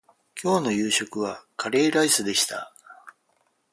今日の夕飯はカレーライスでした